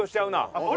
あれ？